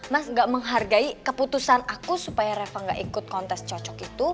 mas gak menghargai keputusan aku supaya reva gak ikut kontes cocok itu